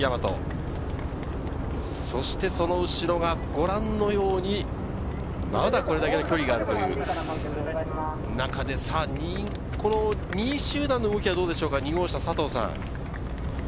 先頭を走る中央・吉居大和、そしてその後ろはご覧のようにまだこれだけの距離がある中で、２位集団の動きはどうでしょうか、２号車・佐藤さん。